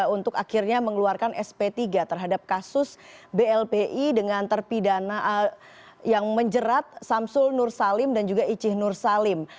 untuk akhirnya mengeluarkan sp tiga terhadap kasus blpi dengan terpidana yang menjerat samsul nur salim dan juga icih nur salim